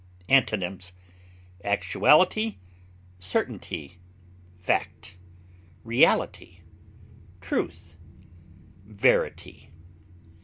Antonyms: actuality, certainty, fact, reality, truth, verity.